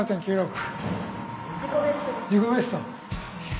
自己ベスト。